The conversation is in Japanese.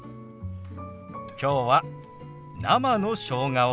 きょうは生のしょうがを